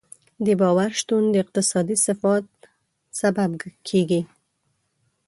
د باور شتون د اقتصادي ثبات سبب کېږي.